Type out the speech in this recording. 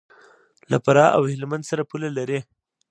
له فراه او هلمند سره پوله لري.